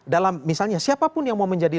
dalam misalnya siapapun yang mau menjadi